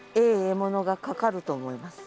獲物がかかると思います。